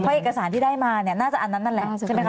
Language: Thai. เพราะเอกสารที่ได้มาเนี่ยน่าจะอันนั้นนั่นแหละใช่ไหมคะ